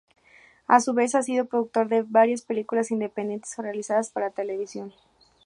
A su vez, ha sido productor de varias películas independientes o realizadas para televisión.